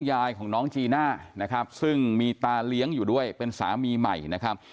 ยายของน้องจีน่านะครับซึ่งมีตาเลี้ยงอยู่ด้วยเป็นสามีใหม่นะครับ